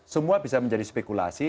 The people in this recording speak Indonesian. semua bisa menjadi spekulasi